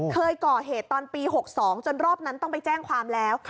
เคยก่อเหตุตอนปี๖๒จนรอบนั้นต้องไปแจ้งความแล้ว